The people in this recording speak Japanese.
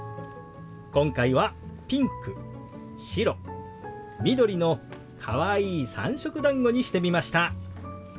今回はピンク白緑のかわいい三色だんごにしてみました。